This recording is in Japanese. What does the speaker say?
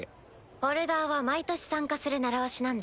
ホルダーは毎年参加する習わしなんだ。